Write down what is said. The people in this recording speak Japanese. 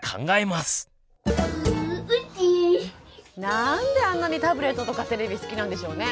何であんなにタブレットとかテレビ好きなんでしょうね？